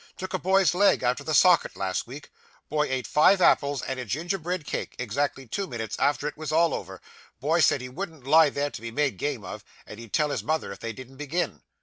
'Took a boy's leg out of the socket last week boy ate five apples and a gingerbread cake exactly two minutes after it was all over, boy said he wouldn't lie there to be made game of, and he'd tell his mother if they didn't begin.